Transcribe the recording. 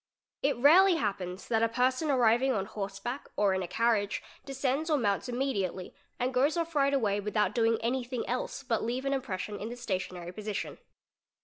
It rarely happens that a person arriving on horse back or in a carriage descends or mounts immediately and goes off right away without doing anything else but leave an impres 'sion in the stationary position.